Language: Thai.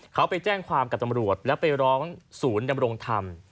เขาไปแจ้งความกับตำรวจแล้วไปร้องศูนย์ดำรงธรรม